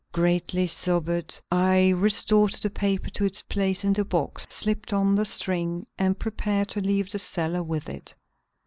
Greatly sobered, I restored the paper to its place in the box, slipped on the string and prepared to leave the cellar with it.